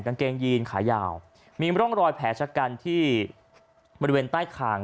กางเกงยีนขายาวมีร่องรอยแผลชะกันที่บริเวณใต้คาง